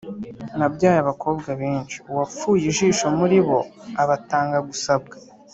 Nabyaye abakobwa benshi uwapfuye ijisho muri bo abatanga gusabwa